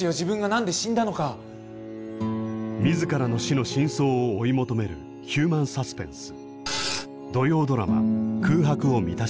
自らの死の真相を追い求めるヒューマンサスペンス。